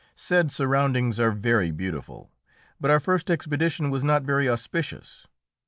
Said surroundings are very beautiful, but our first expedition was not very auspicious.